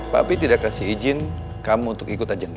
papi tidak kasih izin kamu untuk ikut ajangnya